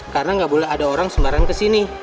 karena gak boleh ada orang sembarang kesini